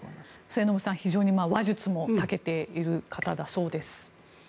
末延さん、非常に話術も長けている方だそうです。